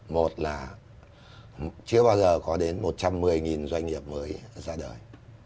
một là chưa bao giờ có đến một trăm một mươi doanh nghiệp mới ra đời